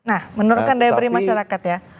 nah menurunkan daya beli masyarakat ya